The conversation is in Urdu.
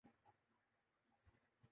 پیشیاں بھگتنی ہوں۔